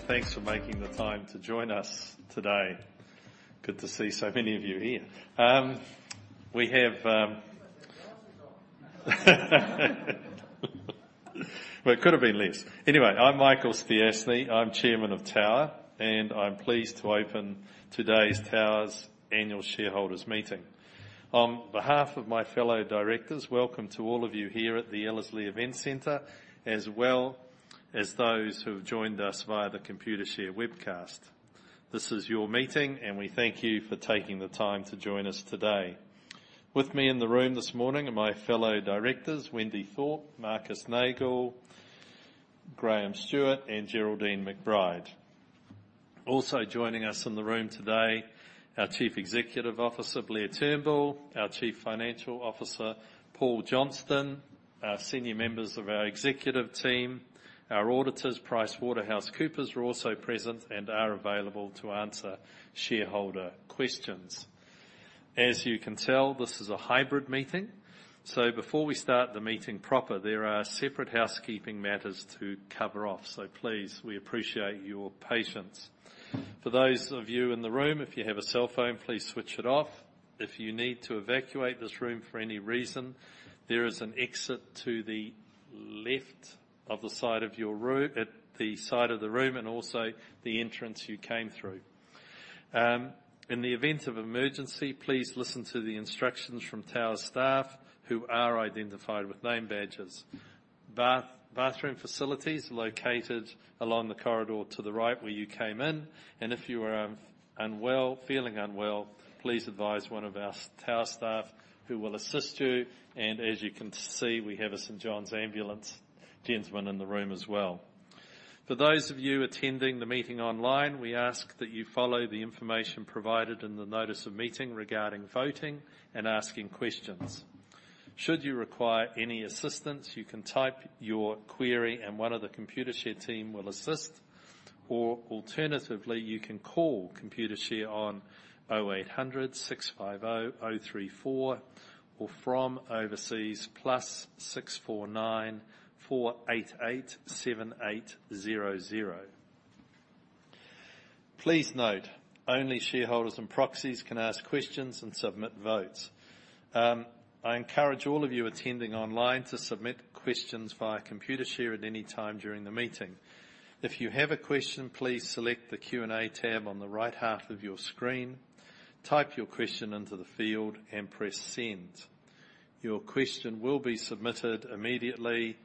Thanks for making the time to join us today. Good to see so many of you here. Well, it could have been less. Anyway, I'm Michael Stiassny, I'm Chairman of Tower, I'm pleased to open today's Tower's annual shareholders meeting. On behalf of my fellow directors, welcome to all of you here at the Ellerslie Event Centre, as well as those who've joined us via the Computershare webcast. This is your meeting, we thank you for taking the time to join us today. With me in the room this morning are my fellow directors, Wendy Thorpe, Marcus Nagel, Graham Stewart, and Geraldine McBride. Also joining us in the room today, our Chief Executive Officer, Blair Turnbull, our Chief Financial Officer, Paul Johnston, our senior members of our executive team, our auditors, PricewaterhouseCoopers, are also present and are available to answer shareholder questions. As you can tell, this is a hybrid meeting, so before we start the meeting proper, there are separate housekeeping matters to cover off. Please, we appreciate your patience. For those of you in the room, if you have a cell phone, please switch it off. If you need to evacuate this room for any reason, there is an exit to the left at the side of the room, and also the entrance you came through. In the event of emergency, please listen to the instructions from Tower staff, who are identified with name badges. Bathroom facilities located along the corridor to the right where you came in, and if you are unwell, feeling unwell, please advise one of our Tower staff who will assist you. As you can see, we have a St. John Ambulance gentleman in the room as well. For those of you attending the meeting online, we ask that you follow the information provided in the notice of meeting regarding voting and asking questions. Should you require any assistance, you can type your query and one of the Computershare team will assist, or alternatively, you can call Computershare on 0800 650 034, or from overseas, +64 9 488 7800. Please note, only shareholders and proxies can ask questions and submit votes. I encourage all of you attending online to submit questions via Computershare at any time during the meeting. If you have a question, please select the Q&A tab on the right half of your screen, type your question into the field, and press Send. Your question will be submitted immediately.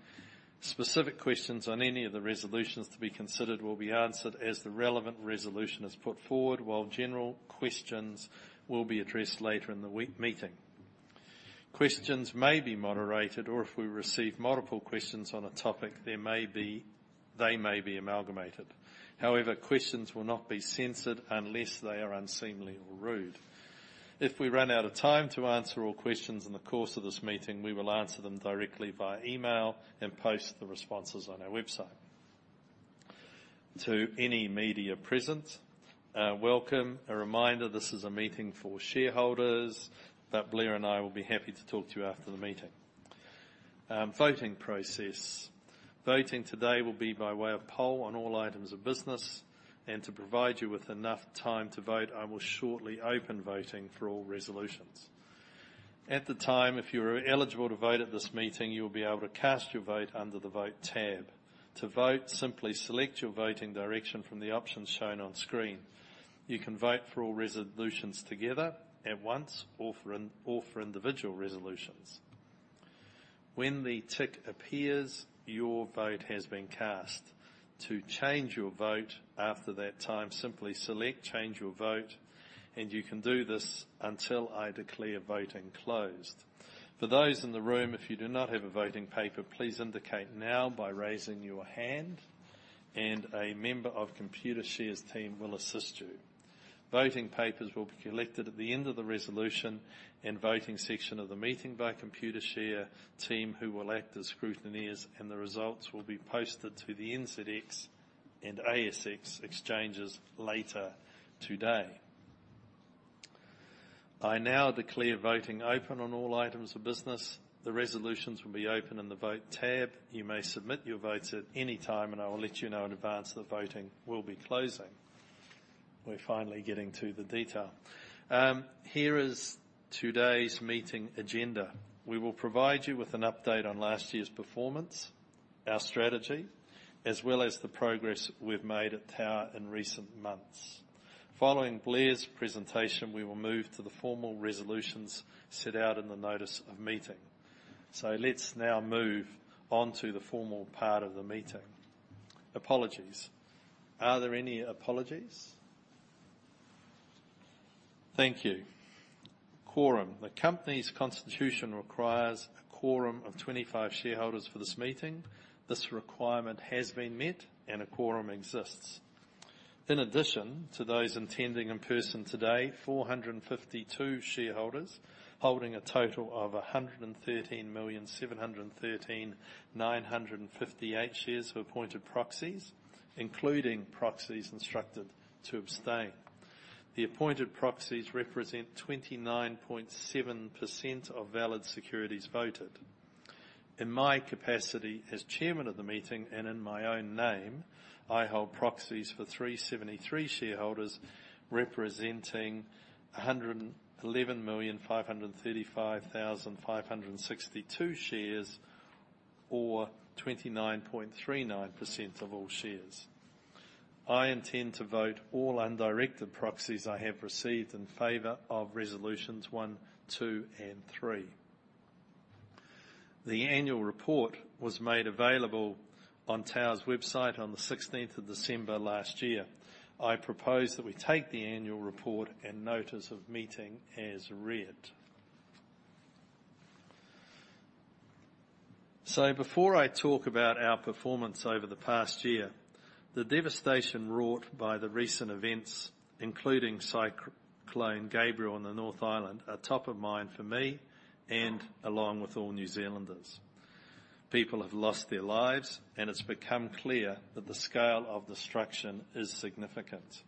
Specific questions on any of the resolutions to be considered will be answered as the relevant resolution is put forward, while general questions will be addressed later in the meeting. Questions may be moderated, or if we receive multiple questions on a topic, they may be amalgamated. Questions will not be censored unless they are unseemly or rude. If we run out of time to answer all questions in the course of this meeting, we will answer them directly via email and post the responses on our website. To any media present, welcome. A reminder, this is a meeting for shareholders, Blair and I will be happy to talk to you after the meeting. Voting process. Voting today will be by way of poll on all items of business. To provide you with enough time to vote, I will shortly open voting for all resolutions. At the time, if you are eligible to vote at this meeting, you'll be able to cast your vote under the Vote tab. To vote, simply select your voting direction from the options shown on screen. You can vote for all resolutions together at once or for individual resolutions. When the tick appears, your vote has been cast. To change your vote after that time, simply select Change Your Vote. You can do this until I declare voting closed. For those in the room, if you do not have a voting paper, please indicate now by raising your hand and a member of Computershare's team will assist you. Voting papers will be collected at the end of the resolution and voting section of the meeting by Computershare team, who will act as scrutineers, and the results will be posted to the NZX and ASX exchanges later today. I now declare voting open on all items of business. The resolutions will be open in the Vote tab. You may submit your votes at any time, and I will let you know in advance that voting will be closing. We're finally getting to the detail. Here is today's meeting agenda. We will provide you with an update on last year's performance, our strategy, as well as the progress we've made at Tower in recent months. Following Blair's presentation, we will move to the formal resolutions set out in the notice of meeting. Let's now move on to the formal part of the meeting. Apologies. Are there any apologies? Thank you. Quorum. The company's constitution requires a quorum of 25 shareholders for this meeting. This requirement has been met and a quorum exists. In addition to those attending in person today, 452 shareholders holding a total of 113,713,958 shares of appointed proxies, including proxies instructed to abstain. The appointed proxies represent 29.7% of valid securities voted. In my capacity as chairman of the meeting and in my own name, I hold proxies for 373 shareholders representing 111,535,562 shares, or 29.39% of all shares. I intend to vote all undirected proxies I have received in favor of resolutions one, two, and three. The annual report was made available on Tower's website on the December 16th last year. I propose that we take the annual report and notice of meeting as read. Before I talk about our performance over the past year, the devastation wrought by the recent events, including Cyclone Gabrielle in the North Island, are top of mind for me and along with all New Zealanders. People have lost their lives, and it's become clear that the scale of destruction is significant.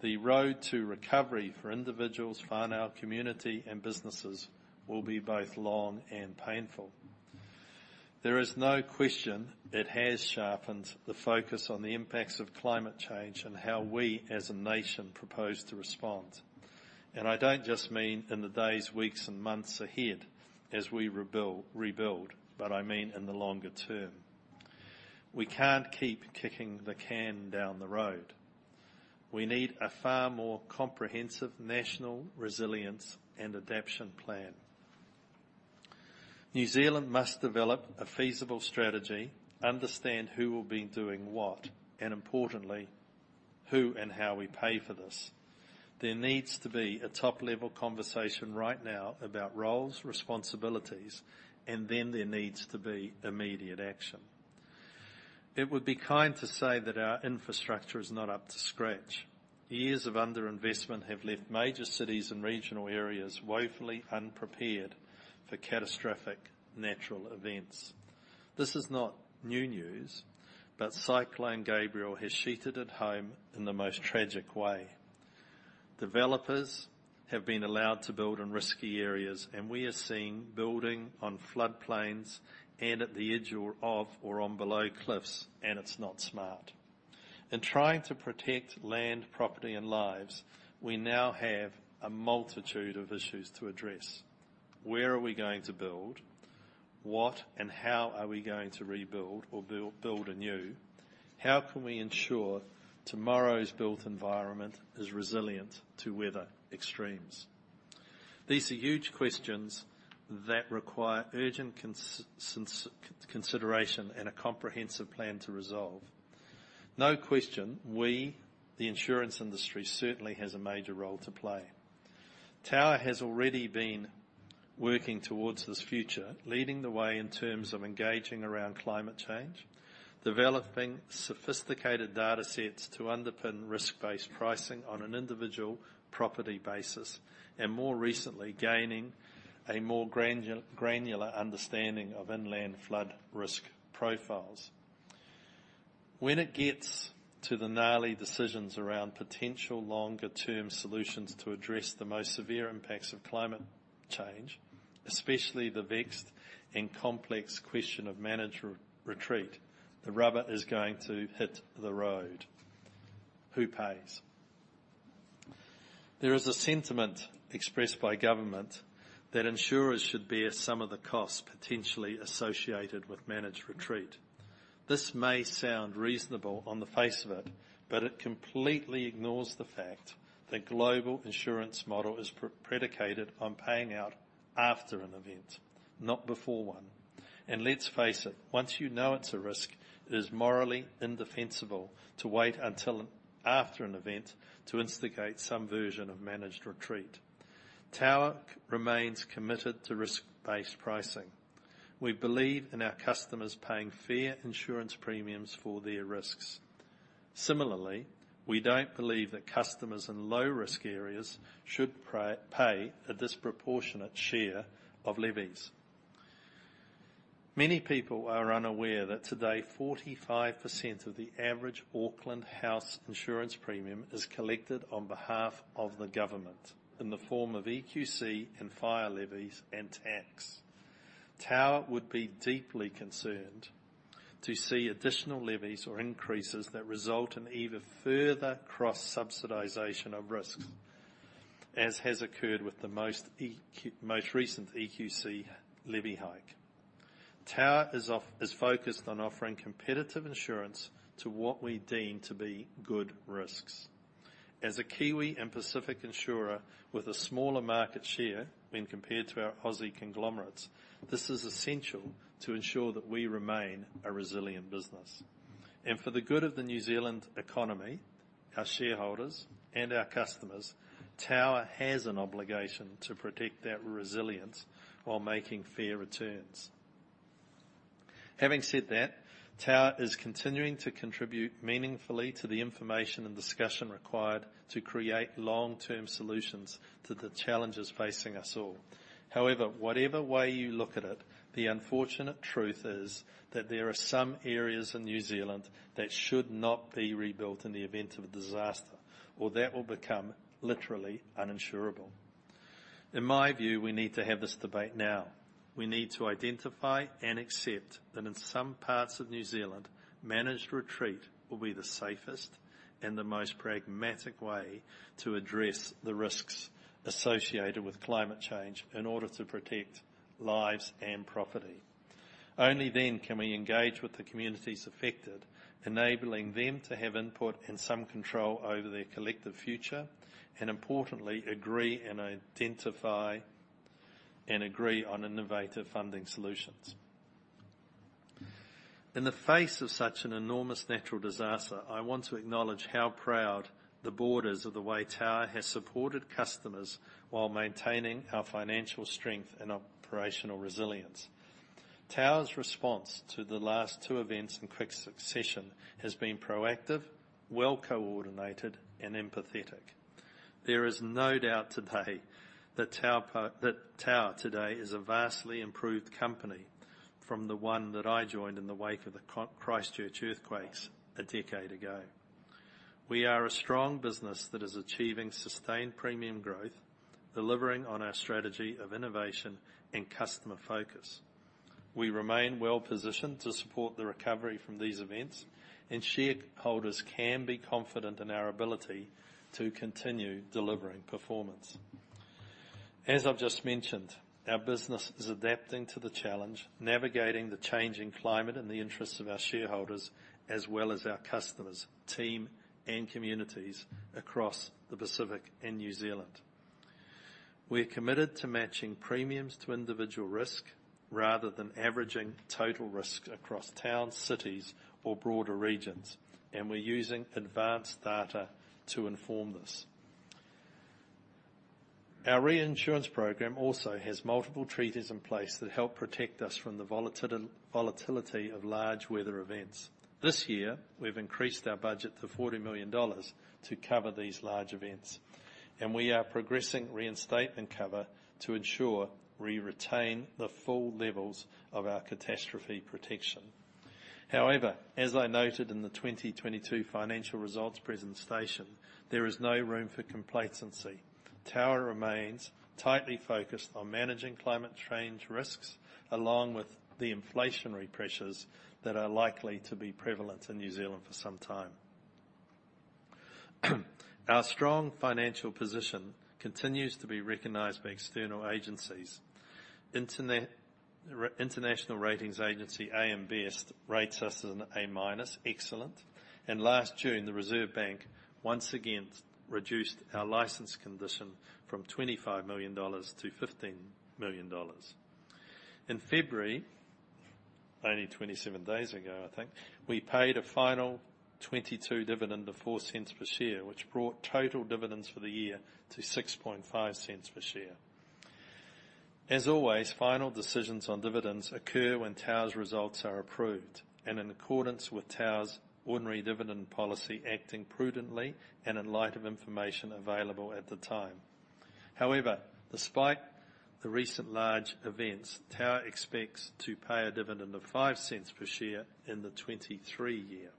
The road to recovery for individuals, whānau, community, and businesses will be both long and painful. There is no question it has sharpened the focus on the impacts of climate change and how we as a nation propose to respond. I don't just mean in the days, weeks, and months ahead as we rebuild, but I mean in the longer term. We can't keep kicking the can down the road. We need a far more comprehensive national resilience and adaptation plan. New Zealand must develop a feasible strategy, understand who will be doing what, and importantly, who and how we pay for this. There needs to be a top-level conversation right now about roles, responsibilities, and then there needs to be immediate action. It would be kind to say that our infrastructure is not up to scratch. Years of underinvestment have left major cities and regional areas woefully unprepared for catastrophic natural events. This is not new news, but Cyclone Gabrielle has sheeted it home in the most tragic way. Developers have been allowed to build in risky areas, and we are seeing building on floodplains and at the edge of or on below cliffs, and it's not smart. In trying to protect land, property, and lives, we now have a multitude of issues to address. Where are we going to build? What and how are we going to rebuild or build anew? How can we ensure tomorrow's built environment is resilient to weather extremes? These are huge questions that require urgent consideration and a comprehensive plan to resolve. No question we, the insurance industry, certainly has a major role to play. Tower has already been working towards this future, leading the way in terms of engaging around climate change, developing sophisticated data sets to underpin risk-based pricing on an individual property basis, and more recently, gaining a more granular understanding of inland flood risk profiles. When it gets to the gnarly decisions around potential longer-term solutions to address the most severe impacts of climate change, especially the vexed and complex question of managed retreat, the rubber is going to hit the road. Who pays? There is a sentiment expressed by government that insurers should bear some of the costs potentially associated with managed retreat. This may sound reasonable on the face of it, but it completely ignores the fact the global insurance model is predicated on paying out after an event, not before one. Let's face it, once you know it's a risk, it is morally indefensible to wait until after an event to instigate some version of managed retreat. Tower remains committed to risk-based pricing. We believe in our customers paying fair insurance premiums for their risks. Similarly, we don't believe that customers in low-risk areas should pay a disproportionate share of levies. Many people are unaware that today 45% of the average Auckland house insurance premium is collected on behalf of the government in the form of EQC and fire levies and tax. Tower would be deeply concerned to see additional levies or increases that result in even further cross-subsidization of risks, as has occurred with the most recent EQC levy hike. Tower is focused on offering competitive insurance to what we deem to be good risks. As a Kiwi and Pacific insurer with a smaller market share when compared to our Aussie conglomerates, this is essential to ensure that we remain a resilient business. For the good of the New Zealand economy, our shareholders, and our customers, Tower has an obligation to protect that resilience while making fair returns. Having said that, Tower is continuing to contribute meaningfully to the information and discussion required to create long-term solutions to the challenges facing us all. Whatever way you look at it, the unfortunate truth is that there are some areas in New Zealand that should not be rebuilt in the event of a disaster, or that will become literally uninsurable. In my view, we need to have this debate now. We need to identify and accept that in some parts of New Zealand, managed retreat will be the safest and the most pragmatic way to address the risks associated with climate change in order to protect lives and property. Only then can we engage with the communities affected, enabling them to have input and some control over their collective future, and importantly, agree and identify, and agree on innovative funding solutions. In the face of such an enormous natural disaster, I want to acknowledge how proud the board is of the way Tower has supported customers while maintaining our financial strength and operational resilience. Tower's response to the last two events in quick succession has been proactive, well-coordinated, and empathetic. There is no doubt today that Tower today is a vastly improved company from the one that I joined in the wake of the Christchurch earthquakes a decade ago. We are a strong business that is achieving sustained premium growth, delivering on our strategy of innovation and customer focus. We remain well-positioned to support the recovery from these events, and shareholders can be confident in our ability to continue delivering performance. As I've just mentioned, our business is adapting to the challenge, navigating the changing climate in the interests of our shareholders, as well as our customers, team, and communities across the Pacific and New Zealand. We're committed to matching premiums to individual risk rather than averaging total risk across towns, cities, or broader regions, and we're using advanced data to inform this. Our reinsurance program also has multiple treaties in place that help protect us from the volatility of large weather events. This year, we've increased our budget to 40 million dollars to cover these large events, and we are progressing reinstatement cover to ensure we retain the full levels of our catastrophe protection. However, as I noted in the 2022 financial results presentation, there is no room for complacency. Tower remains tightly focused on managing climate change risks, along with the inflationary pressures that are likely to be prevalent in New Zealand for some time. Our strong financial position continues to be recognized by external agencies. International ratings agency AM Best rates us as an A-, excellent. Last June, the Reserve Bank once again reduced our license condition from 25 million dollars to 15 million dollars. In February, only 27 days ago, I think, we paid a final 2022 dividend of 0.04 per share, which brought total dividends for the year to 0.065 per share. As always, final decisions on dividends occur when Tower's results are approved, and in accordance with Tower's ordinary dividend policy, acting prudently and in light of information available at the time. However, despite the recent large events, Tower expects to pay a dividend of 0.05 per share in the 2023 year.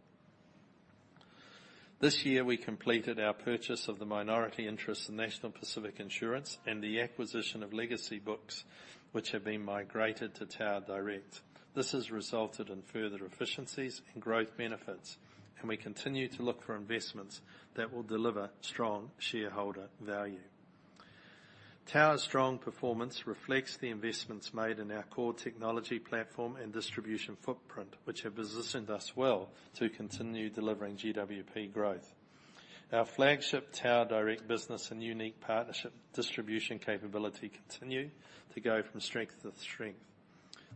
This year, we completed our purchase of the minority interest in National Pacific Insurance and the acquisition of legacy books, which have been migrated to Tower Direct. This has resulted in further efficiencies and growth benefits, and we continue to look for investments that will deliver strong shareholder value. Tower's strong performance reflects the investments made in our core technology platform and distribution footprint, which have positioned us well to continue delivering GWP growth. Our flagship Tower Direct business and unique partnership distribution capability continue to go from strength to strength.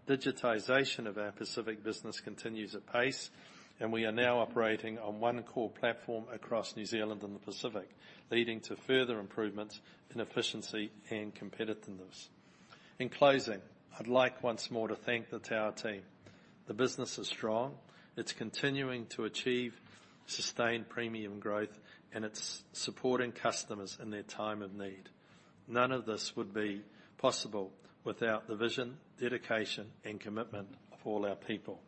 Digitization of our Pacific business continues at pace, and we are now operating on one core platform across New Zealand and the Pacific, leading to further improvements in efficiency and competitiveness. In closing, I'd like, once more, to thank the Tower team. The business is strong. It's continuing to achieve sustained premium growth, and it's supporting customers in their time of need. None of this would be possible without the vision, dedication, and commitment of all our people.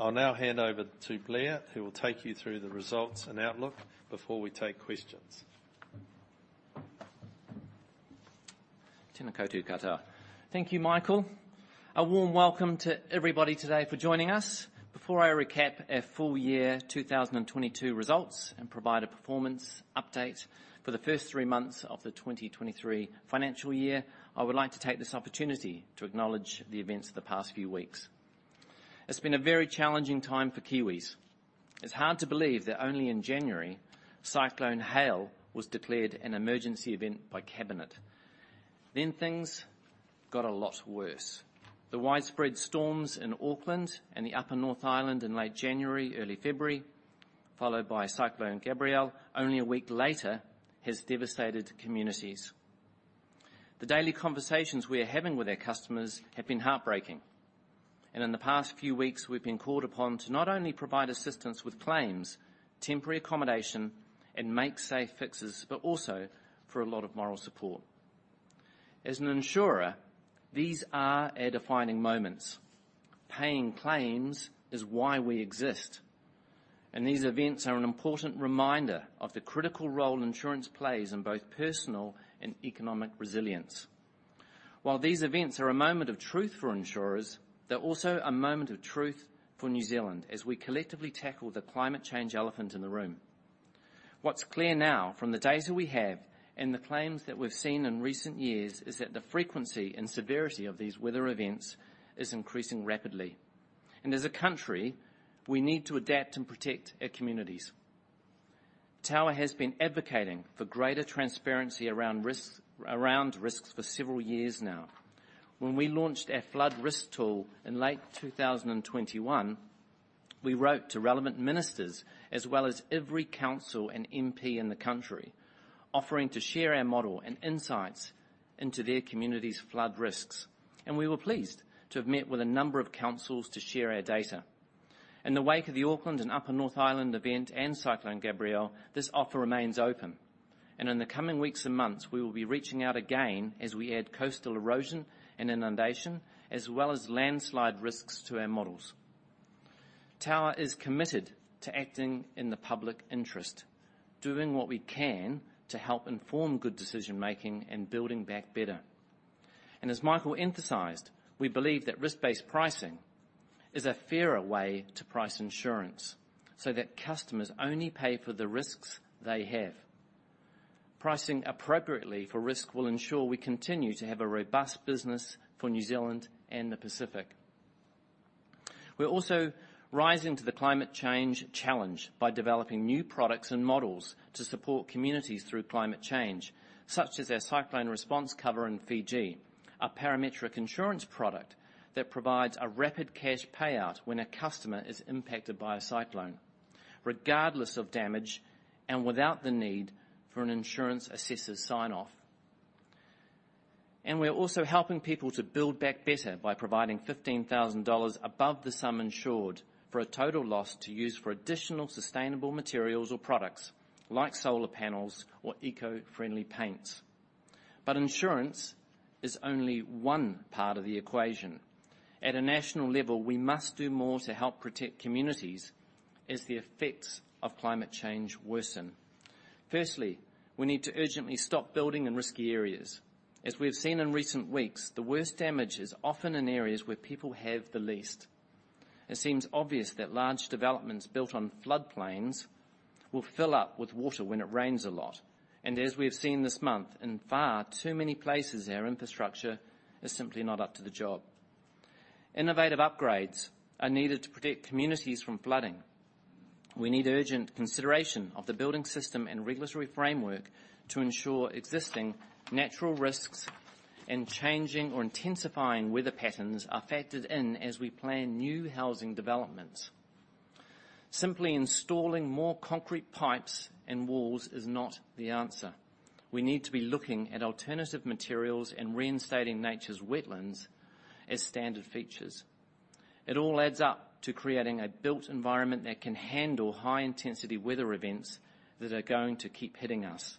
I'll now hand over to Blair, who will take you through the results and outlook before we take questions. Tēnā koutou katoa. Thank you, Michael. A warm welcome to everybody today for joining us. Before I recap our full year 2022 results and provide a performance update for the first three months of the 2023 financial year, I would like to take this opportunity to acknowledge the events of the past few weeks. It's been a very challenging time for Kiwis. It's hard to believe that only in January, Cyclone Hale was declared an emergency event by Cabinet. Things got a lot worse. The widespread storms in Auckland and the upper North Island in late January, early February, followed by Cyclone Gabrielle only a week later, has devastated communities. The daily conversations we are having with our customers have been heartbreaking, in the past few weeks, we've been called upon to not only provide assistance with claims, temporary accommodation, and make safe fixes, but also for a lot of moral support. As an insurer, these are our defining moments. Paying claims is why we exist. And these events are an important reminder of the critical role insurance plays in both personal and economic resilience. While these events are a moment of truth for insurers, they're also a moment of truth for New Zealand as we collectively tackle the climate change elephant in the room. What's clear now from the data we have and the claims that we've seen in recent years is that the frequency and severity of these weather events is increasing rapidly. As a country, we need to adapt and protect our communities. Tower has been advocating for greater transparency around risks for several years now. When we launched our flood risk tool in late 2021, we wrote to relevant ministers as well as every council and MP in the country, offering to share our model and insights into their community's flood risks. We were pleased to have met with a number of councils to share our data. In the wake of the Auckland and Upper North Island event and Cyclone Gabrielle, this offer remains open. In the coming weeks and months, we will be reaching out again as we add coastal erosion and inundation, as well as landslide risks to our models. Tower is committed to acting in the public interest, doing what we can to help inform good decision-making and building back better. As Michael emphasized, we believe that risk-based pricing is a fairer way to price insurance so that customers only pay for the risks they have. Pricing appropriately for risk will ensure we continue to have a robust business for New Zealand and the Pacific. We're also rising to the climate change challenge by developing new products and models to support communities through climate change, such as our cyclone response cover in Fiji, a parametric insurance product that provides a rapid cash payout when a customer is impacted by a cyclone, regardless of damage and without the need for an insurance assessor's sign-off. We're also helping people to build back better by providing 15,000 dollars above the sum insured for a total loss to use for additional sustainable materials or products like solar panels or eco-friendly paints. Insurance is only one part of the equation. At a national level, we must do more to help protect communities as the effects of climate change worsen. Firstly, we need to urgently stop building in risky areas. As we have seen in recent weeks, the worst damage is often in areas where people have the least. It seems obvious that large developments built on floodplains will fill up with water when it rains a lot. As we have seen this month, in far too many places, our infrastructure is simply not up to the job. Innovative upgrades are needed to protect communities from flooding. We need urgent consideration of the building system and regulatory framework to ensure existing natural risks and changing or intensifying weather patterns are factored in as we plan new housing developments. Simply installing more concrete pipes and walls is not the answer. We need to be looking at alternative materials and reinstating nature's wetlands as standard features. It all adds up to creating a built environment that can handle high-intensity weather events that are going to keep hitting us.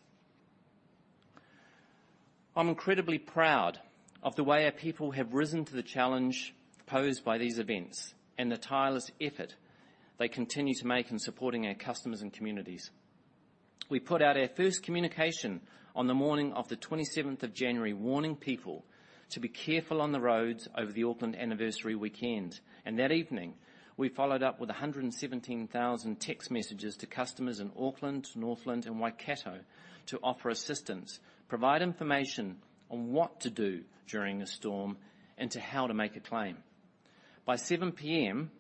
I'm incredibly proud of the way our people have risen to the challenge posed by these events and the tireless effort they continue to make in supporting our customers and communities. We put out our first communication on the morning of the January 27th, warning people to be careful on the roads over the Auckland Anniversary Weekend. That evening, we followed up with 117,000 text messages to customers in Auckland, Northland, and Waikato to offer assistance, provide information on what to do during a storm, and to how to make a claim. By 7:00 P.M.,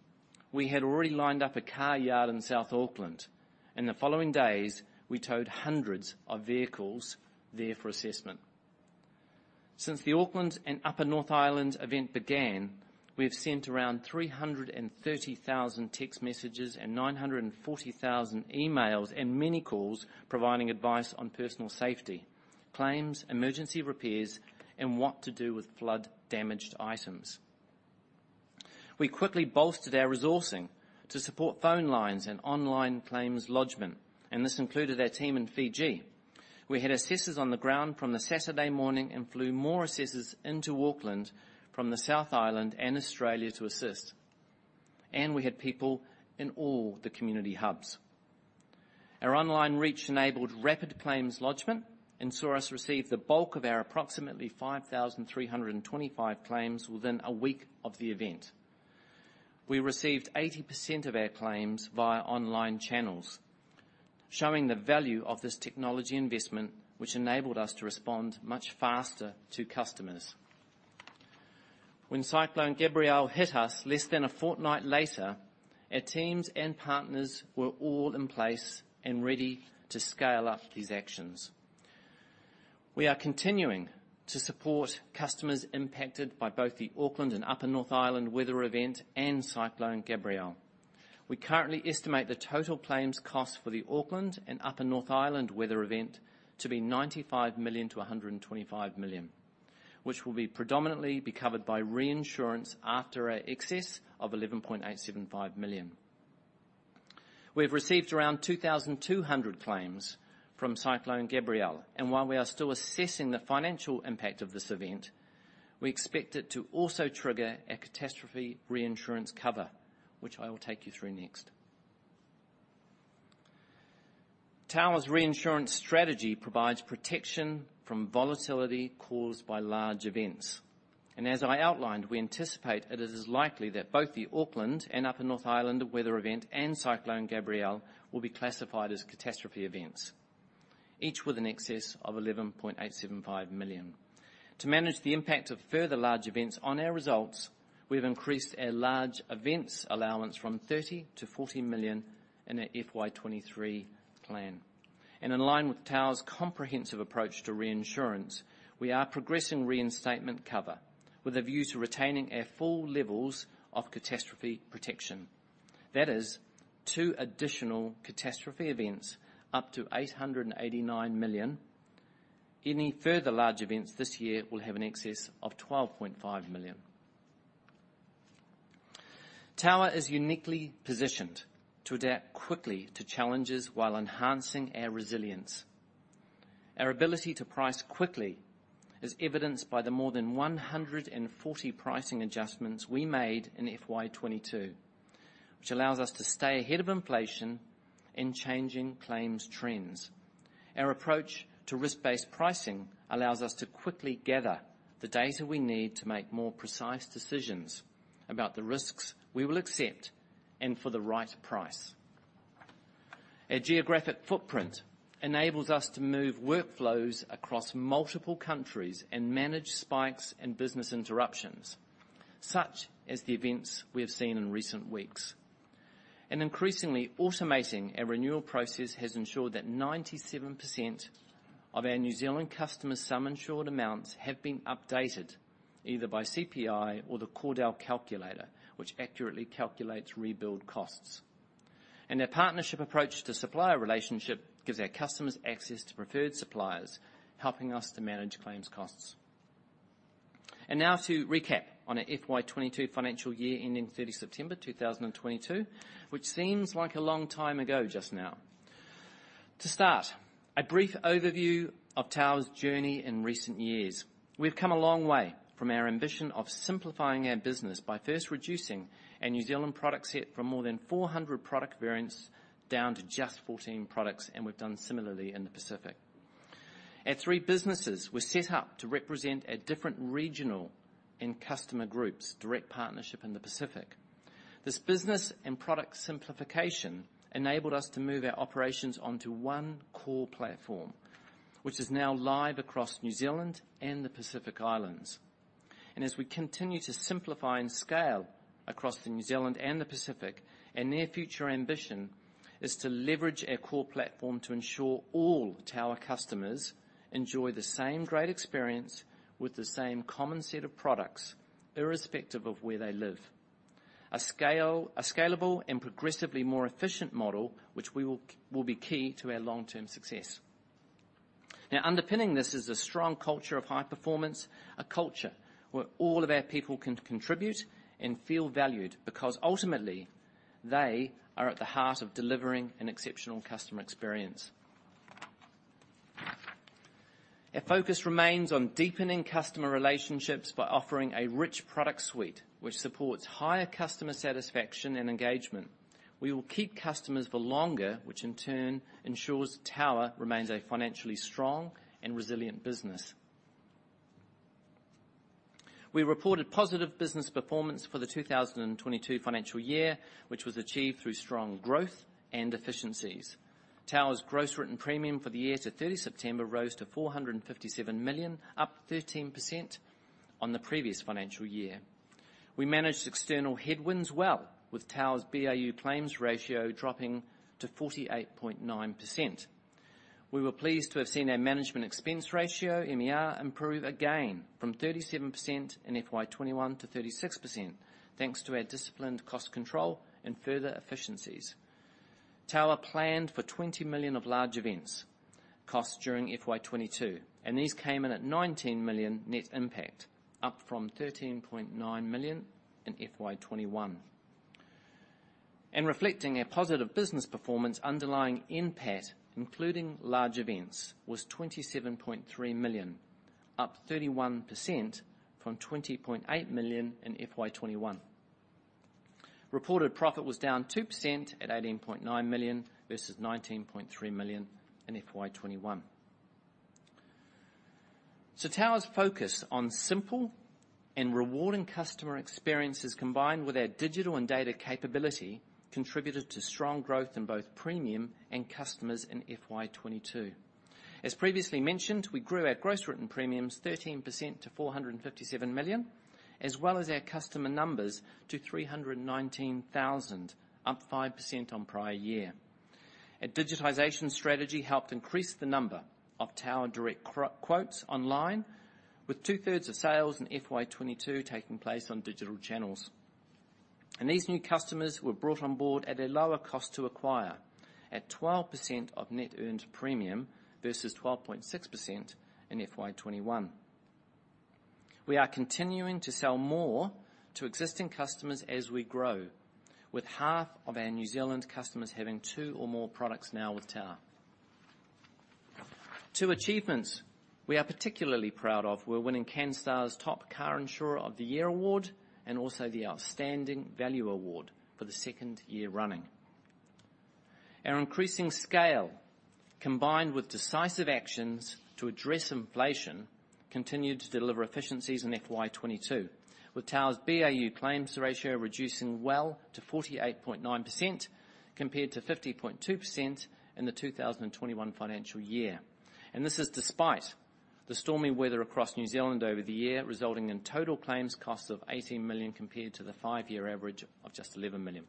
we had already lined up a car yard in south Auckland. In the following days, we towed hundreds of vehicles there for assessment. Since the Auckland and Upper North Island event began, we have sent around 330,000 text messages and 940,000 emails and many calls providing advice on personal safety, claims, emergency repairs, and what to do with flood-damaged items. We quickly bolstered our resourcing to support phone lines and online claims lodgement. This included our team in Fiji. We had assessors on the ground from the Saturday morning and flew more assessors into Auckland from the South Island and Australia to assist. We had people in all the community hubs. Our online reach enabled rapid claims lodgement and saw us receive the bulk of our approximately 5,325 claims within a week of the event. We received 80% of our claims via online channels, showing the value of this technology investment, which enabled us to respond much faster to customers. When Cyclone Gabrielle hit us less than a fortnight later, our teams and partners were all in place and ready to scale up these actions. We are continuing to support customers impacted by both the Auckland and Upper North Island weather event and Cyclone Gabrielle. We currently estimate the total claims cost for the Auckland and Upper North Island weather event to be 95 million-125 million, which will be predominantly be covered by reinsurance after our excess of 11.875 million. We have received around 2,200 claims from Cyclone Gabrielle. While we are still assessing the financial impact of this event, we expect it to also trigger a catastrophe reinsurance cover, which I will take you through next. Tower's reinsurance strategy provides protection from volatility caused by large events. As I outlined, we anticipate it is likely that both the Auckland and Upper North Island weather event and Cyclone Gabrielle will be classified as catastrophe events, each with an excess of 11.875 million. To manage the impact of further large events on our results, we have increased our large events allowance from 30 million-40 million in our FY 2023 plan. In line with Tower's comprehensive approach to reinsurance, we are progressing reinstatement cover with a view to retaining our full levels of catastrophe protection. That is two additional catastrophe events up to 889 million. Any further large events this year will have an excess of 12.5 million. Tower is uniquely positioned to adapt quickly to challenges while enhancing our resilience. Our ability to price quickly is evidenced by the more than 140 pricing adjustments we made in FY 2022, which allows us to stay ahead of inflation in changing claims trends. Our approach to risk-based pricing allows us to quickly gather the data we need to make more precise decisions about the risks we will accept and for the right price. Our geographic footprint enables us to move workflows across multiple countries and manage spikes and business interruptions, such as the events we have seen in recent weeks. Increasingly, automating our renewal process has ensured that 97% of our New Zealand customers' sum insured amounts have been updated, either by CPI or the Cordell calculator, which accurately calculates rebuild costs. Our partnership approach to supplier relationship gives our customers access to preferred suppliers, helping us to manage claims costs. Now to recap on our FY 2022 financial year ending September 30th, 2022, which seems like a long time ago just now. To start, a brief overview of Tower's journey in recent years. We've come a long way from our ambition of simplifying our business by first reducing our New Zealand product set from more than 400 product variants down to just 14 products, and we've done similarly in the Pacific. Our three businesses were set up to represent our different regional and customer groups, direct partnership in the Pacific. This business and product simplification enabled us to move our operations onto one core platform, which is now live across New Zealand and the Pacific Islands. As we continue to simplify and scale across the New Zealand and the Pacific, our near future ambition is to leverage our core platform to ensure all Tower customers enjoy the same great experience with the same common set of products, irrespective of where they live. A scalable and progressively more efficient model which we will be key to our long-term success. Underpinning this is a strong culture of high performance, a culture where all of our people can contribute and feel valued because ultimately, they are at the heart of delivering an exceptional customer experience. Our focus remains on deepening customer relationships by offering a rich product suite, which supports higher customer satisfaction and engagement. We will keep customers for longer, which in turn ensures Tower remains a financially strong and resilient business. We reported positive business performance for the 2022 financial year, which was achieved through strong growth and efficiencies. Tower's gross written premium for the year to 30 September rose to 457 million, up 13% on the previous financial year. We managed external headwinds well, with Tower's BAU claims ratio dropping to 48.9%. We were pleased to have seen our management expense ratio, MER, improve again from 37% in FY 2021 to 36%, thanks to our disciplined cost control and further efficiencies. Tower planned for 20 million of large events cost during FY 2022, and these came in at 19 million net impact, up from 13.9 million in FY 2021. Reflecting our positive business performance underlying NPAT, including large events, was 27.3 million, up 31% from 20.8 million in FY 2021. Reported profit was down 2% at 18.9 million versus 19.3 million in FY 2021. Tower's focus on simple and rewarding customer experiences, combined with our digital and data capability, contributed to strong growth in both premium and customers in FY 2022. As previously mentioned, we grew our gross written premiums 13% to 457 million, as well as our customer numbers to 319,000, up 5% on prior year. Our digitization strategy helped increase the number of Tower Direct quotes online, with 2/3 of sales in FY 2022 taking place on digital channels. These new customers were brought on board at a lower cost to acquire, at 12% of net earned premium versus 12.6% in FY 2021. We are continuing to sell more to existing customers as we grow, with half of our New Zealand customers having two or more products now with Tower. Two achievements we are particularly proud of were winning Canstar's Top Car Insurer of the Year award and also the Outstanding Value award for the second year running. Our increasing scale, combined with decisive actions to address inflation, continued to deliver efficiencies in FY 2022, with Tower's BAU claims ratio reducing well to 48.9% compared to 50.2% in the 2021 financial year. This is despite the stormy weather across New Zealand over the year, resulting in total claims cost of 18 million compared to the five-year average of just 11 million.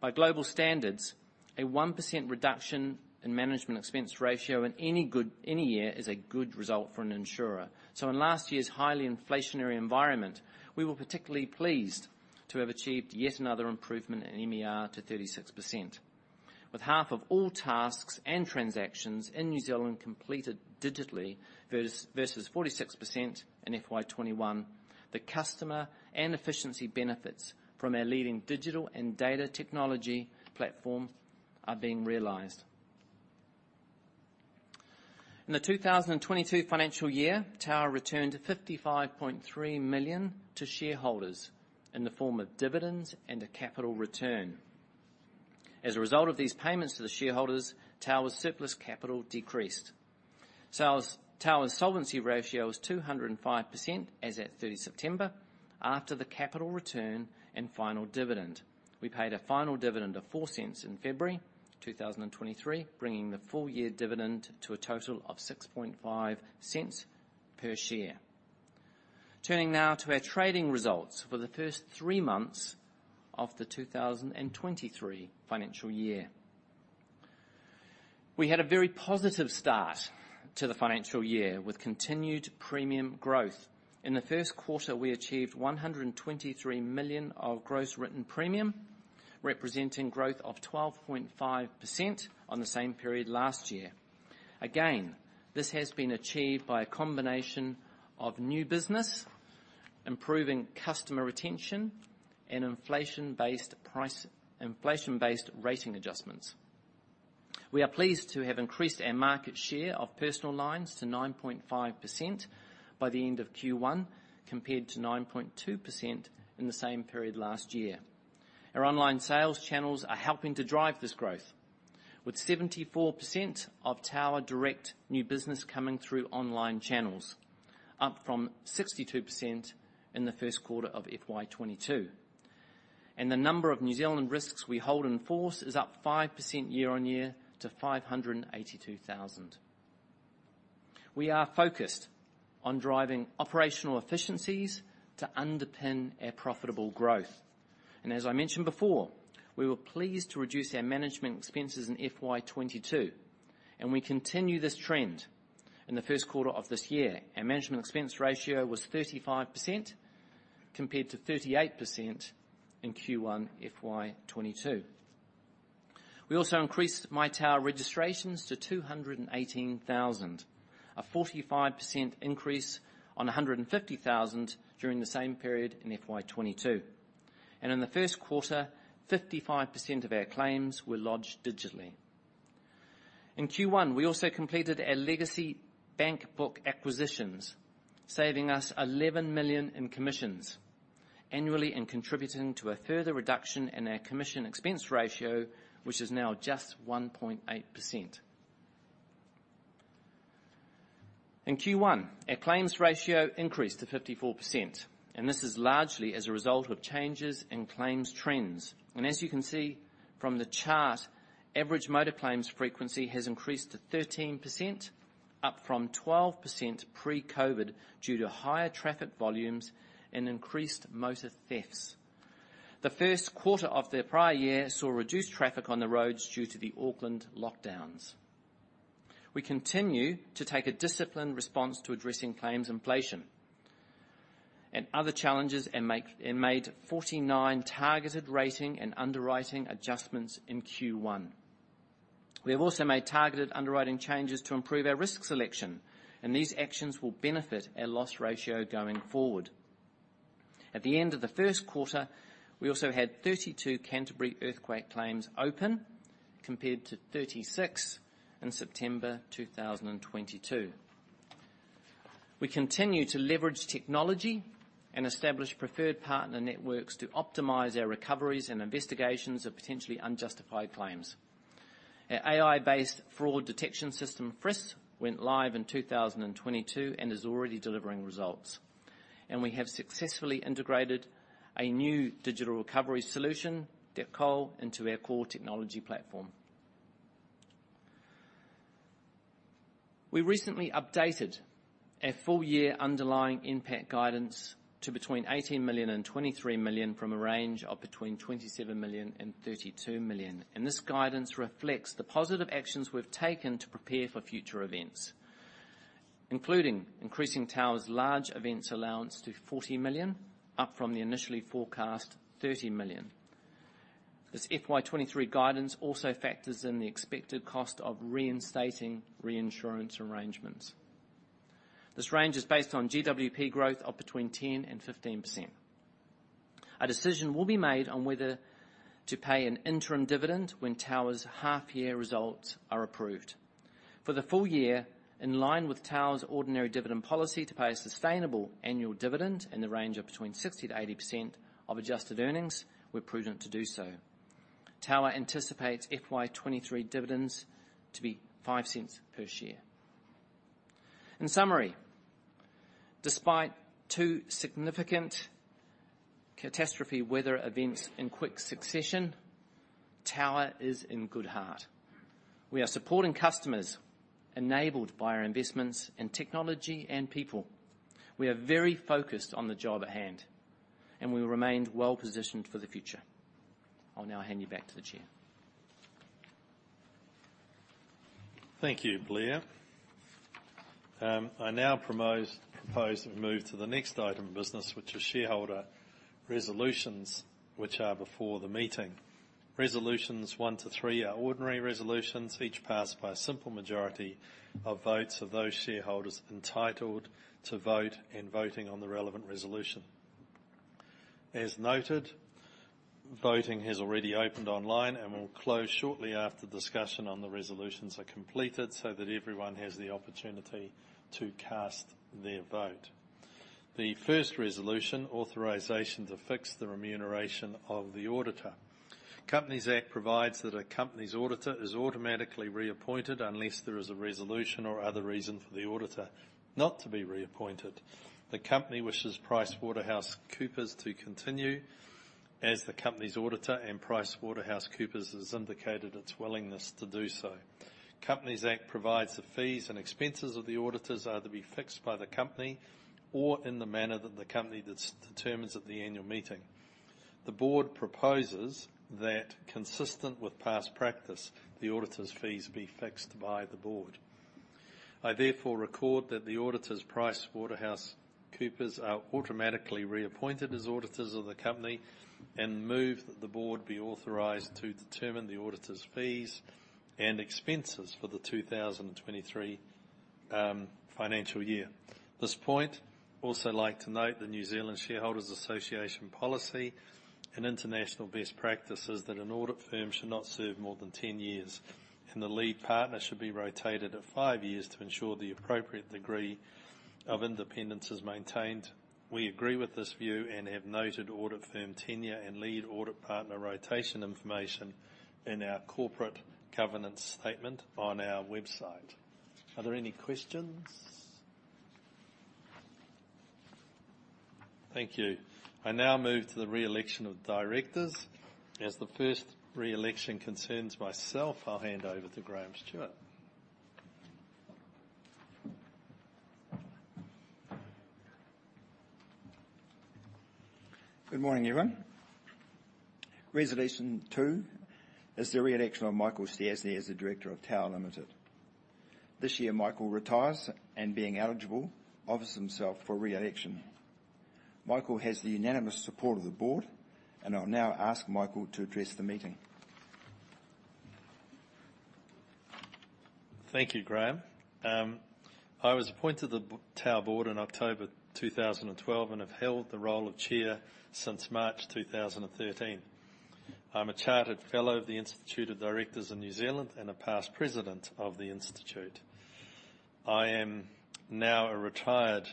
By global standards, a 1% reduction in management expense ratio in any year is a good result for an insurer. In last year's highly inflationary environment, we were particularly pleased to have achieved yet another improvement in MER to 36%. With half of all tasks and transactions in New Zealand completed digitally versus 46% in FY 2021. The customer and efficiency benefits from our leading digital and data technology platform are being realized. In the 2022 financial year, Tower returned 55.3 million to shareholders in the form of dividends and a capital return. As a result of these payments to the shareholders, Tower's surplus capital decreased. Tower's solvency ratio was 205% as at September 30 after the capital return and final dividend. We paid a final dividend of 0.04 in February 2023, bringing the full year dividend to a total of 0.065 per share. Turning now to our trading results for the first three months of the 2023 financial year. We had a very positive start to the financial year with continued premium growth. In the first quarter, we achieved 123 million of gross written premium, representing growth of 12.5% on the same period last year. Again, this has been achieved by a combination of new business, improving customer retention, and inflation-based rating adjustments. We are pleased to have increased our market share of personal lines to 9.5% by the end of Q1 compared to 9.2% in the same period last year. Our online sales channels are helping to drive this growth, with 74% of Tower Direct new business coming through online channels, up from 62% in the first quarter of FY22. The number of New Zealand risks we hold in force is up 5% year-on-year to 582,000. We are focused on driving operational efficiencies to underpin our profitable growth. As I mentioned before, we were pleased to reduce our management expenses in FY 2022, and we continue this trend. In the first quarter of this year, our management expense ratio was 35% compared to 38% in Q1 FY 2022. We also increased My Tower registrations to 218,000, a 45% increase on 150,000 during the same period in FY 2022. In the first quarter, 55% of our claims were lodged digitally. In Q1, we also completed our legacy bank book acquisitions, saving us 11 million in commissions annually and contributing to a further reduction in our commission expense ratio, which is now just 1.8%. In Q1, our claims ratio increased to 54%, this is largely as a result of changes in claims trends. As you can see from the chart, average motor claims frequency has increased to 13%, up from 12% pre-COVID due to higher traffic volumes and increased motor thefts. The first quarter of the prior year saw reduced traffic on the roads due to the Auckland lockdowns. We continue to take a disciplined response to addressing claims inflation and other challenges and made 49 targeted rating and underwriting adjustments in Q1. We have also made targeted underwriting changes to improve our risk selection, these actions will benefit our loss ratio going forward. At the end of the first quarter, we also had 32 Canterbury earthquake claims open, compared to 36 in September 2022. We continue to leverage technology and establish preferred partner networks to optimize our recoveries and investigations of potentially unjustified claims. Our AI-based fraud detection system, FRISS, went live in 2022 and is already delivering results. We have successfully integrated a new digital recovery solution, Debcol, into our core technology platform. We recently updated our full year underlying NPAT guidance to between 18 million-23 million from a range of between 27 million-32 million. This guidance reflects the positive actions we've taken to prepare for future events, including increasing Tower's large events allowance to 40 million, up from the initially forecast 30 million. This FY 2023 guidance also factors in the expected cost of reinstating reinsurance arrangements. This range is based on GWP growth of between 10%-15%. A decision will be made on whether to pay an interim dividend when Tower's half-year results are approved. For the full year, in line with Tower's ordinary dividend policy to pay a sustainable annual dividend in the range of between 60%-80% of adjusted earnings, we're prudent to do so. Tower anticipates FY 2023 dividends to be 0.05 per share. In summary, despite two significant catastrophe weather events in quick succession, Tower is in good heart. We are supporting customers enabled by our investments in technology and people. We are very focused on the job at hand, and we remain well-positioned for the future. I'll now hand you back to the chair. Thank you, Blair. I now propose and move to the next item of business, which is shareholder resolutions, which are before the meeting. Resolutions one to three are ordinary resolutions, each passed by a simple majority of votes of those shareholders entitled to vote and voting on the relevant resolution. As noted, voting has already opened online and will close shortly after discussion on the resolutions are completed, so that everyone has the opportunity to cast their vote. The first resolution, authorization to fix the remuneration of the auditor. Companies Act provides that a company's auditor is automatically reappointed unless there is a resolution or other reason for the auditor not to be reappointed. The company wishes PricewaterhouseCoopers to continue as the company's auditor, and PricewaterhouseCoopers has indicated its willingness to do so. Companies Act provides the fees and expenses of the auditors are to be fixed by the company or in the manner that the company determines at the annual meeting. The board proposes that consistent with past practice, the auditor's fees be fixed by the board. I therefore record that the auditors, PricewaterhouseCoopers, are automatically reappointed as auditors of the company and move that the board be authorized to determine the auditor's fees and expenses for the 2023 financial year. This point, also like to note the New Zealand Shareholders' Association policy and international best practice is that an audit firm should not serve more than 10 years, and the lead partner should be rotated at five years to ensure the appropriate degree of independence is maintained. We agree with this view and have noted audit firm tenure and lead audit partner rotation information in our corporate governance statement on our website. Are there any questions? Thank you. I now move to the reelection of directors. As the first reelection concerns myself, I'll hand over to Graham Stewart. Good morning, everyone. Resolution two is the reelection of Michael Stiassny as the Director of Tower Limited. This year, Michael retires, and being eligible, offers himself for reelection. Michael has the unanimous support of the board, and I'll now ask Michael to address the meeting. Thank you, Graham Stewart. I was appointed to the Tower board in October 2012 and have held the role of Chair since March 2013. I'm a Chartered Fellow of the Institute of Directors in New Zealand and a past President of the Institute. I am now a retired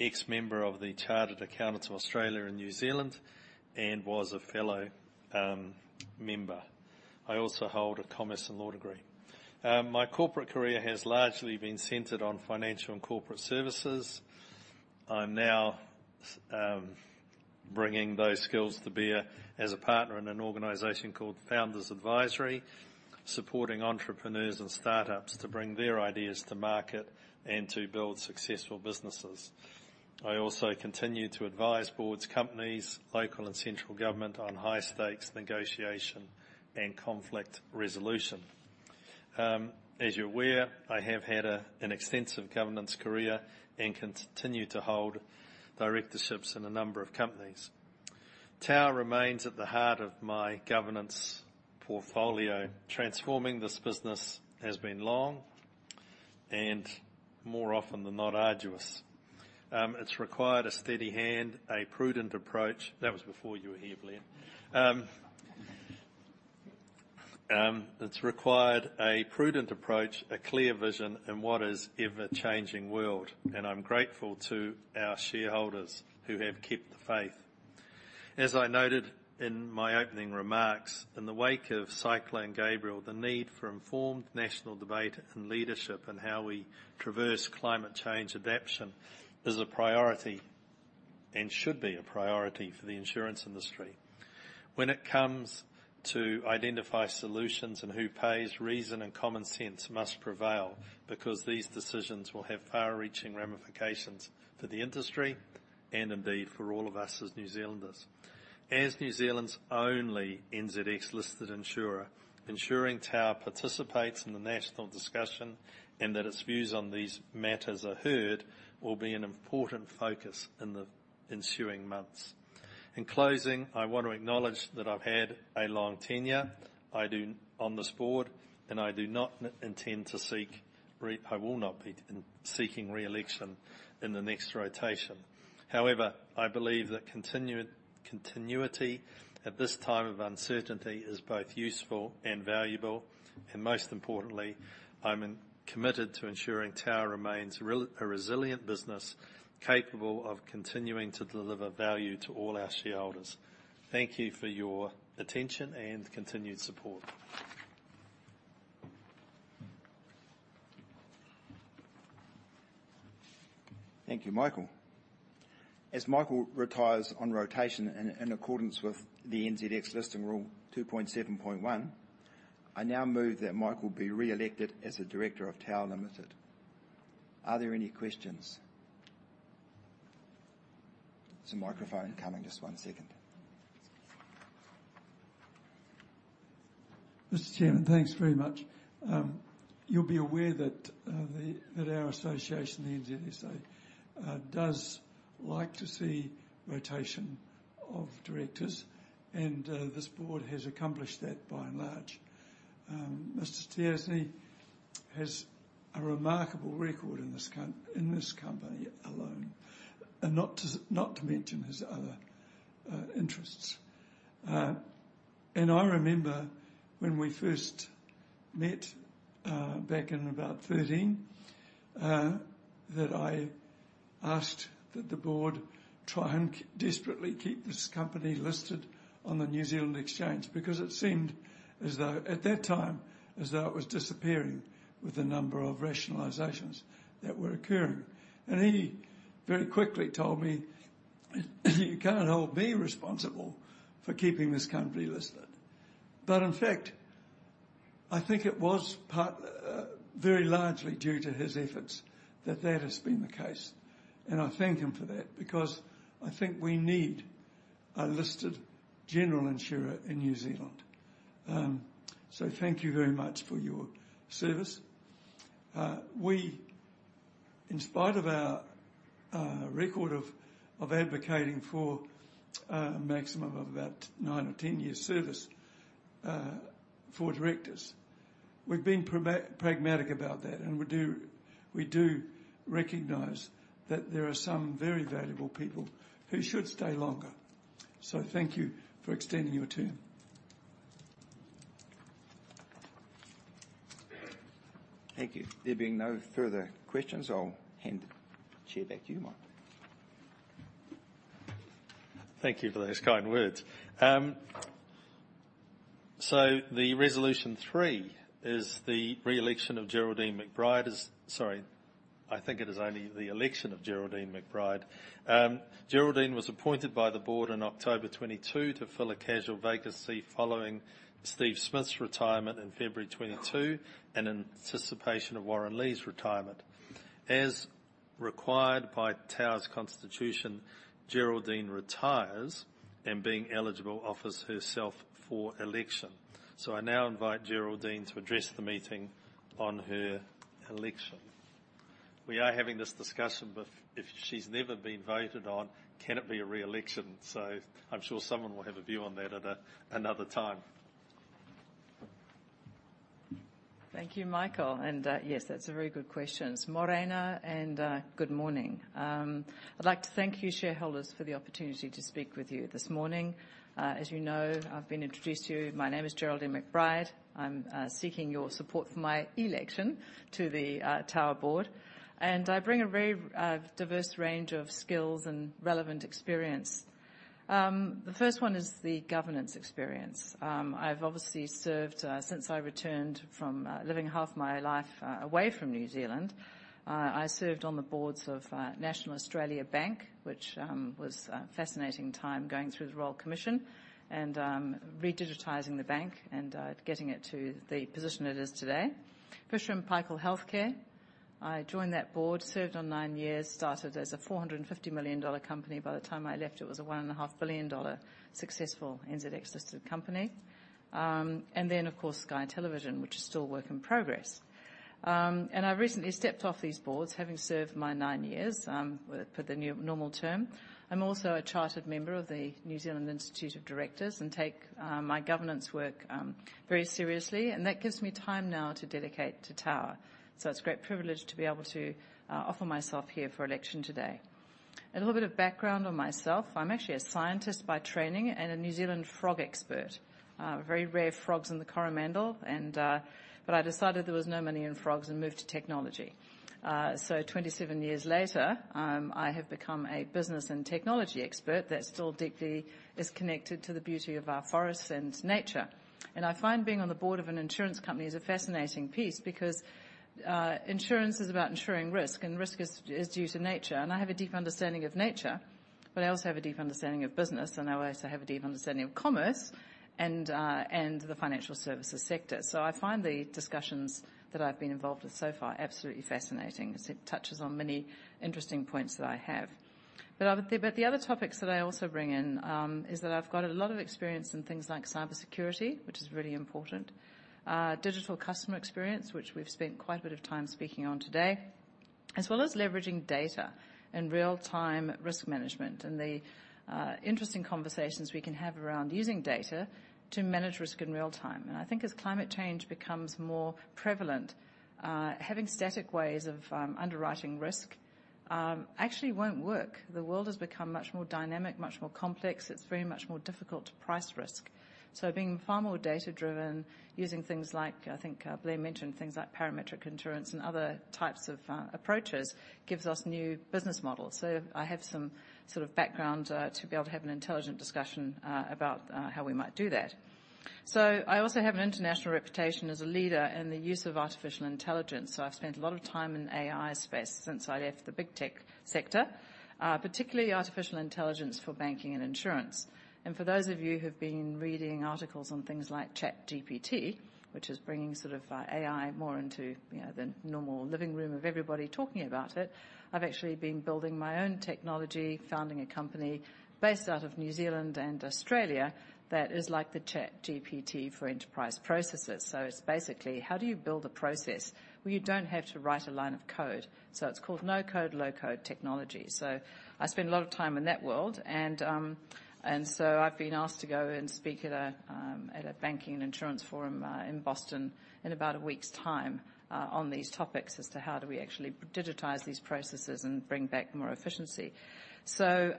ex-member of the Chartered Accountants Australia and New Zealand and was a fellow member. I also hold a Commerce and Law degree. My corporate career has largely been centered on financial and corporate services. I'm now bringing those skills to bear as a partner in an organization called Founders Advisory, supporting entrepreneurs and startups to bring their ideas to market and to build successful businesses. I also continue to advise boards, companies, local and central government on high stakes negotiation and conflict resolution. As you're aware, I have had an extensive governance career and continue to hold directorships in a number of companies. Tower remains at the heart of my governance portfolio. Transforming this business has been long and more often than not, arduous. It's required a steady hand, a prudent approach. That was before you were here, Blair. It's required a prudent approach, a clear vision in what is ever-changing world, and I'm grateful to our shareholders who have kept the faith. As I noted in my opening remarks, in the wake of Cyclone Gabrielle, the need for informed national debate and leadership in how we traverse climate change adaption is a priority and should be a priority for the insurance industry. When it comes to identify solutions and who pays, reason and common sense must prevail because these decisions will have far-reaching ramifications for the industry and indeed for all of us as New Zealanders. As New Zealand's only NZX-listed insurer, ensuring Tower participates in the national discussion and that its views on these matters are heard will be an important focus in the ensuing months. In closing, I want to acknowledge that I've had a long tenure on this board, and I will not be in seeking re-election in the next rotation. However, I believe that continued continuity at this time of uncertainty is both useful and valuable. Most importantly, I'm committed to ensuring Tower remains a resilient business capable of continuing to deliver value to all our shareholders. Thank you for your attention and continued support. Thank you, Michael. As Michael retires on rotation in accordance with the NZX Listing Rule 2.7.1, I now move that Michael be re-elected as a director of Tower Limited. Are there any questions? There's a microphone coming. Just one second. Mr. Chairman, thanks very much. You'll be aware that our association, the NZSA, does like to see rotation of directors, this board has accomplished that by and large. Mr. Stiassny has a remarkable record in this company alone, not to mention his other interests. I remember when we first met back in about 2013 that I asked that the board try and desperately keep this company listed on the New Zealand Exchange, because it seemed as though, at that time, as though it was disappearing with the number of rationalizations that were occurring. He very quickly told me, "You can't hold me responsible for keeping this company listed." In fact, I think it was part, very largely due to his efforts that that has been the case, and I thank him for that, because I think we need a listed general insurer in New Zealand. Thank you very much for your service. We, in spite of our, record of advocating for a maximum of about nine or 10 year service, for directors, we've been pragmatic about that, and we do recognize that there are some very valuable people who should stay longer. Thank you for extending your term. Thank you. There being no further questions, I'll hand the chair back to you, Michael. Thank you for those kind words. The resolution three is the re-election of Geraldine McBride. Sorry, I think it is only the election of Geraldine McBride. Geraldine was appointed by the board on October 22 to fill a casual vacancy following Steve Smith's retirement in February 22 and in anticipation of Warren Lee's retirement. As required by Tower's constitution, Geraldine retires, and being eligible, offers herself for election. I now invite Geraldine to address the meeting on her election. We are having this discussion, but if she's never been voted on, can it be a re-election? I'm sure someone will have a view on that at another time. Thank you, Michael. Yes, that's a very good question. Morena, good morning. I'd like to thank you, shareholders, for the opportunity to speak with you this morning. As you know, I've been introduced to you. My name is Geraldine McBride. I'm seeking your support for my election to the Tower board. I bring a very diverse range of skills and relevant experience. The first one is the governance experience. I've obviously served since I returned from living half my life away from New Zealand. I served on the boards of National Australia Bank, which was a fascinating time going through the Royal Commission and redigitizing the bank and getting it to the position it is today. Fisher & Paykel Healthcare, I joined that board, served on nine years, started as a 450 million dollar company. By the time I left, it was a 1.5 billion dollar successful NZX-listed company. Of course, Sky Television, which is still work in progress. I recently stepped off these boards, having served my nine years, for the normal term. I'm also a chartered member of the Institute of Directors in New Zealand and take my governance work very seriously. That gives me time now to dedicate to Tower. It's a great privilege to be able to offer myself here for election today. A little bit of background on myself. I'm actually a scientist by training and a New Zealand frog expert. Very rare frogs in the Coromandel and, but I decided there was no money in frogs and moved to technology. 27 years later, I have become a business and technology expert that still deeply is connected to the beauty of our forests and nature. I find being on the board of an insurance company is a fascinating piece because, insurance is about insuring risk, and risk is due to nature. I have a deep understanding of nature, but I also have a deep understanding of business, and I also have a deep understanding of commerce and the financial services sector. I find the discussions that I've been involved with so far absolutely fascinating as it touches on many interesting points that I have. The other topics that I also bring in is that I've got a lot of experience in things like cybersecurity, which is really important, digital customer experience, which we've spent quite a bit of time speaking on today. As well as leveraging data and real-time risk management, and the interesting conversations we can have around using data to manage risk in real time. I think as climate change becomes more prevalent, having static ways of underwriting risk actually won't work. The world has become much more dynamic, much more complex. It's very much more difficult to price risk. Being far more data-driven, using things like, I think, Blair mentioned, things like parametric insurance and other types of approaches gives us new business models. I have some sort of background to be able to have an intelligent discussion about how we might do that. I also have an international reputation as a leader in the use of artificial intelligence. I've spent a lot of time in AI space since I left the big tech sector, particularly artificial intelligence for banking and insurance. For those of you who've been reading articles on things like ChatGPT, which is bringing sort of AI more into, you know, the normal living room of everybody talking about it, I've actually been building my own technology, founding a company based out of New Zealand and Australia that is like the ChatGPT for enterprise processes. It's basically, how do you build a process where you don't have to write a line of code? It's called no-code/low-code technology. I spend a lot of time in that world and so I've been asked to go and speak at a banking and insurance forum in Boston in about a week's time on these topics as to how do we actually digitize these processes and bring back more efficiency. Those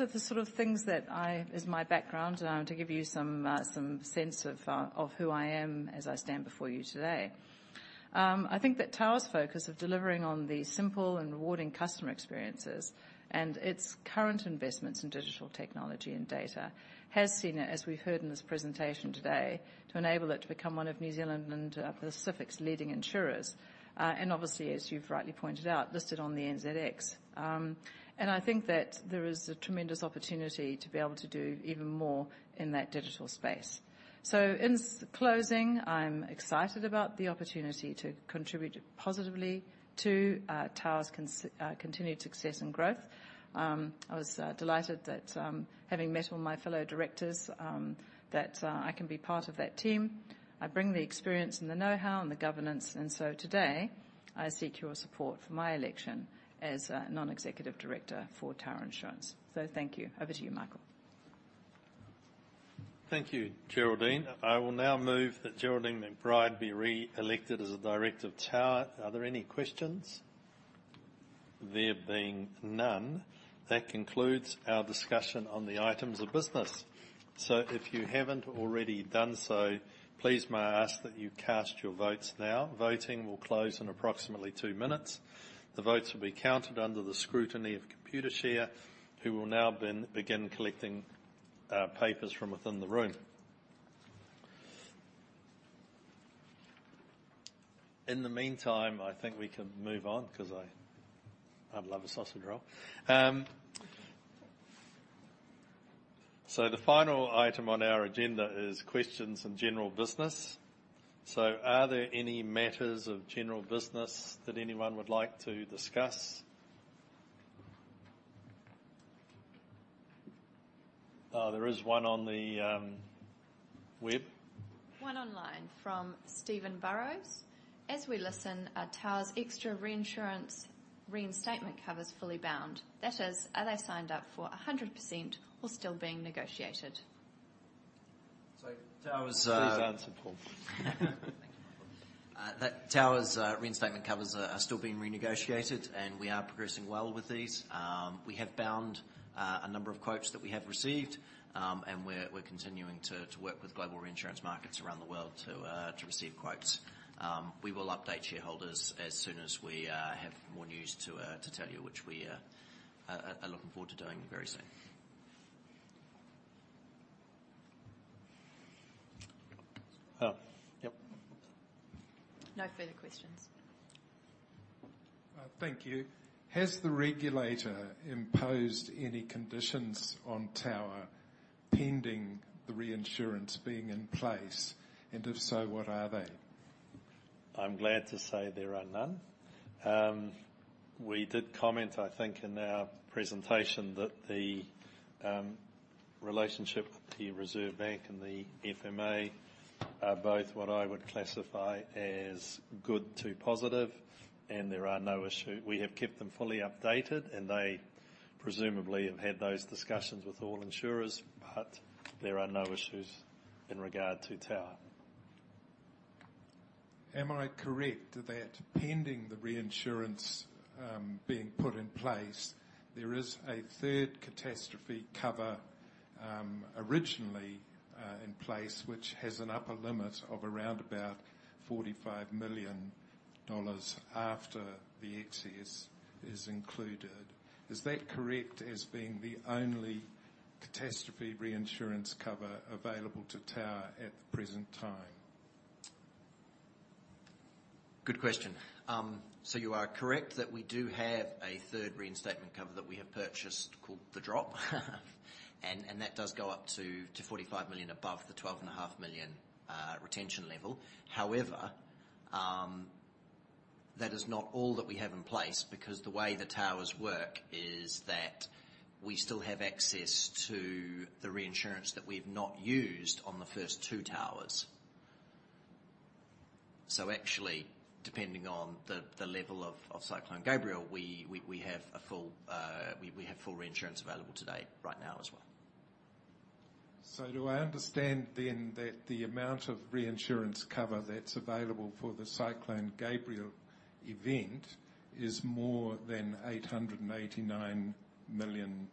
are the sort of things that I, as my background, to give you some sense of who I am as I stand before you today. I think that Tower's focus of delivering on the simple and rewarding customer experiences and its current investments in digital technology and data has seen it, as we've heard in this presentation today, to enable it to become one of New Zealand and Pacific's leading insurers. Obviously, as you've rightly pointed out, listed on the NZX. I think that there is a tremendous opportunity to be able to do even more in that digital space. In closing, I'm excited about the opportunity to contribute positively to Tower's continued success and growth. I was delighted that, having met all my fellow directors, that I can be part of that team. I bring the experience and the know-how and the governance. Today, I seek your support for my election as non-executive director for Tower Insurance. Thank you. Over to you, Michael. Thank you, Geraldine. I will now move that Geraldine McBride be re-elected as a director of Tower. Are there any questions? There being none, that concludes our discussion on the items of business. If you haven't already done so, please may I ask that you cast your votes now. Voting will close in approximately two minutes. The votes will be counted under the scrutiny of Computershare, who will now begin collecting papers from within the room. In the meantime, I think we can move on 'cause I'd love a sausage roll. The final item on our agenda is questions and general business. Are there any matters of general business that anyone would like to discuss? There is one on the web. One online from Steven Burrows: As we listen, are Tower's extra reinsurance reinstatement covers fully bound? That is, are they signed up for 100% or still being negotiated? Tower's Please answer, Paul. Thank you, Michael. Tower's reinstatement covers are still being renegotiated, and we are progressing well with these. We have bound a number of quotes that we have received, and we're continuing to work with global reinsurance markets around the world to receive quotes. We will update shareholders as soon as we have more news to tell you, which we are looking forward to doing very soon. Oh, yep. No further questions. Thank you. Has the regulator imposed any conditions on Tower pending the reinsurance being in place? If so, what are they? I'm glad to say there are none. We did comment, I think, in our presentation that the relationship with the Reserve Bank and the FMA are both what I would classify as good to positive, and there are no issue. We have kept them fully updated, and they presumably have had those discussions with all insurers, but there are no issues in regard to Tower. Am I correct that pending the reinsurance, being put in place, there is a third catastrophe cover, originally, in place which has an upper limit of around about 45 million dollars after the excess is included? Is that correct as being the only catastrophe reinsurance cover available to Tower at the present time? Good question. You are correct that we do have a third reinstatement cover that we have purchased called the Drop. That does go up to 45 million above the 12.5 million retention level. However, that is not all that we have in place, because the way the towers work is that we still have access to the reinsurance that we've not used on the first two towers. Depending on the level of Cyclone Gabrielle, we have full reinsurance available today right now as well. Do I understand then that the amount of reinsurance cover that's available for the Cyclone Gabrielle event is more than 889 million,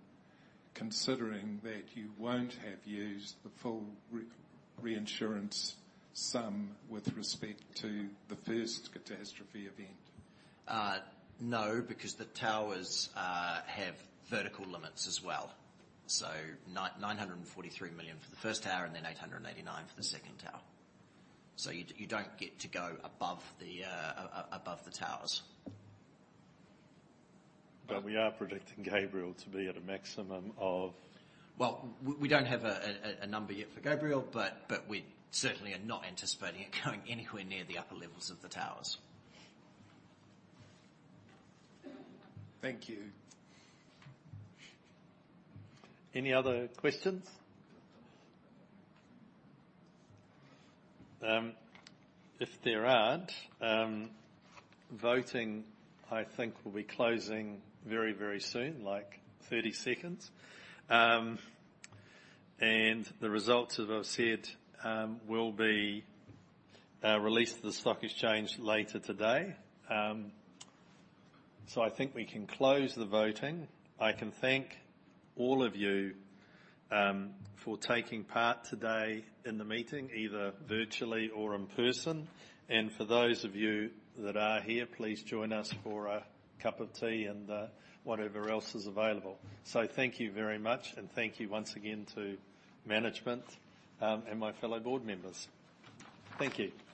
considering that you won't have used the full re-reinsurance sum with respect to the first catastrophe event? No, because the towers have vertical limits as well. 943 million for the first tower and then 889 million for the second tower. You don't get to go above the towers. We are predicting Gabrielle to be at a maximum of... Well, we don't have a number yet for Gabrielle, but we certainly are not anticipating it going anywhere near the upper levels of the towers. Thank you. Any other questions? If there aren't, voting I think will be closing very, very soon, like 30 seconds. The results, as I've said, will be released to the stock exchange later today. I think we can close the voting. I can thank all of you for taking part today in the meeting, either virtually or in person. For those of you that are here, please join us for a cup of tea and whatever else is available. Thank you very much, and thank you once again to management and my fellow board members. Thank you.